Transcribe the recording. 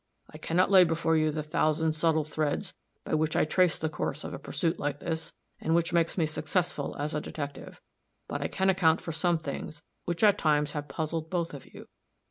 I can not lay before you the thousand subtle threads by which I trace the course of a pursuit like this, and which makes me successful as a detective; but I can account for some things which at times have puzzled both of you.